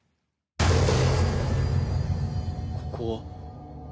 ここは。